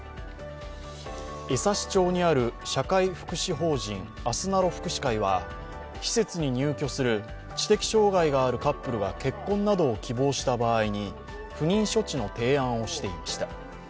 江差町にある社会福祉法人あすなろ福祉会は施設に入居する知的障害があるカップルが結婚などを希望した場合に、不妊処置の提案をしていました。